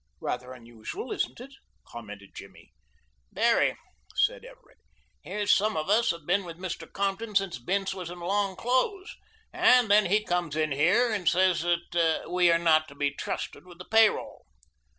"Rather unusual, isn't it?" commented Jimmy. "Very," said Everett. "Here's some of us have been with Mr. Compton since Bince was in long clothes, and then he comes in here and says that we are not to be trusted with the pay roll."